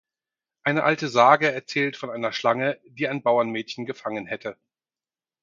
Eine alte Sage erzählt von einer Schlange, die ein Bauernmädchen gefangen hätte.